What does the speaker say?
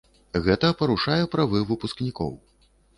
Гэта парушае правы выпускнікоў.